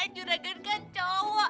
juragan kan cowok